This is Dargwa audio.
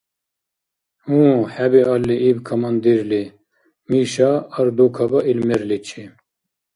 — Гьу, хӀебиалли, — иб командирли, — Миша, ардукаба ил мерличи.